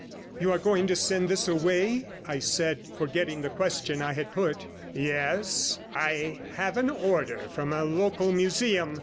'You are going to send this away?' I said, forgetting the question I had put. 'Yes; I have an order from a local museum.